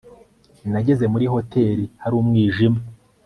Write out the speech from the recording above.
Nageze muri hoteri hari umwijima